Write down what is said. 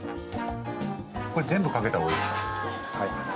これ、全部かけた方がいいですか。